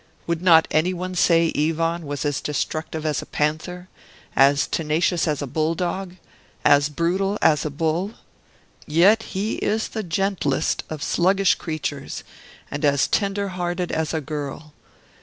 Would not anyone say Ivan was as destructive as a panther, as tenacious as a bull dog, as brutal as a bull? Yet he is the gentlest of sluggish creatures, and as tender hearted as a girl!